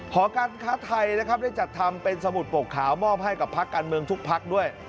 หอการค้าไทยนะครับได้จัดทำเป็นสมุดปกขาวมอบให้กับพักการเมืองทุกพักด้วย